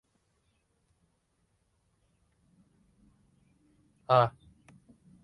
Evolucionó al racionalismo desde unos inicios influido por las vanguardias cubista y dadaísta.